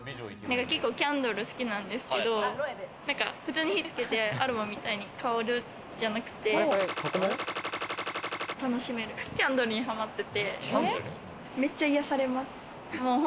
結構キャンドルが好きなんですけど普通に火をつけて、アロマみたいに香るんじゃなくて楽しめるキャンドルにハマっててがめっちゃ癒やされます。